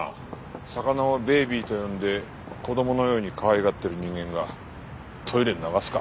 魚をベイビーと呼んで子供のようにかわいがってる人間がトイレに流すか？